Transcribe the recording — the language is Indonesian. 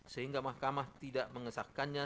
sehingga mahkamah tidak mengesahkannya